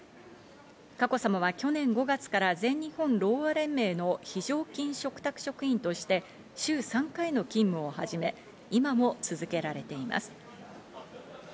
佳子さまは去年５月から全日本ろうあ連盟の非常勤嘱託職員として週３回の勤務を始め今も続けられています。